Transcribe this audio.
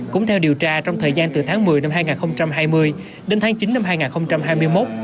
cũng theo điều tra trong thời gian từ tháng một mươi năm hai nghìn hai mươi đến tháng chín năm hai nghìn hai mươi một